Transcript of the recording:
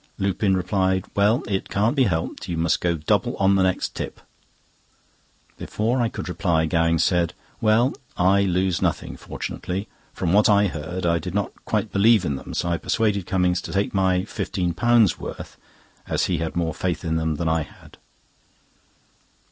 Lupin replied: "Well, it can't be helped; you must go double on the next tip." Before I could reply, Gowing said: "Well, I lose nothing, fortunately. From what I heard, I did not quite believe in them, so I persuaded Cummings to take my £15 worth, as he had more faith in them than I had."